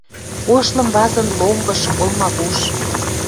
Ош лым вазын ломбыш, олмавуш.